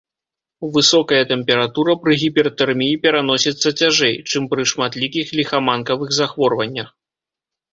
Высокая тэмпература пры гіпертэрміі пераносіцца цяжэй, чым пры шматлікіх ліхаманкавых захворваннях.